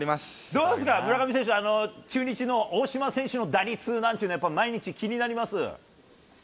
どうですか、村上選手、中日の大島選手の打率なんていうのは、毎日気になります？